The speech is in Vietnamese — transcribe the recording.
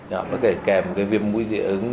họ có thể kèm cái viêm mũi dị ứng